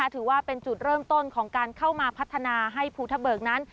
ถือว่าเป็นจุดเริ่มต้นของการเข้ามาพัฒนาให้ภูทะเบิกนั้น